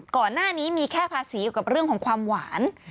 ก่อนหน้านี้มีแค่ภาษีเกี่ยวกับเรื่องของความหวาน